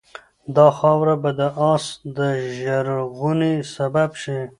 دا خاوره به د آس د ژغورنې سبب شي.